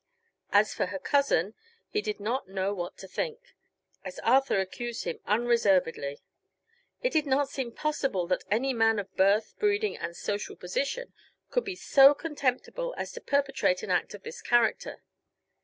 As for her cousin, he did not know what to think, as Arthur accused him unreservedly. It did not seem possible that any man of birth, breeding and social position could be so contemptible as to perpetrate an act of this character.